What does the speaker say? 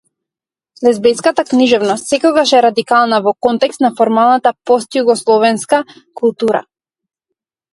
Лезбејската книжевност секогаш е радикална во контекст на формалната постјугословенска култура.